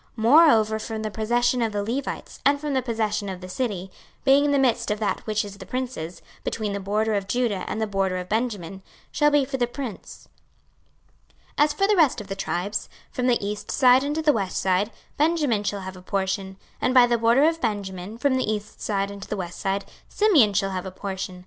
26:048:022 Moreover from the possession of the Levites, and from the possession of the city, being in the midst of that which is the prince's, between the border of Judah and the border of Benjamin, shall be for the prince. 26:048:023 As for the rest of the tribes, from the east side unto the west side, Benjamin shall have a portion. 26:048:024 And by the border of Benjamin, from the east side unto the west side, Simeon shall have a portion.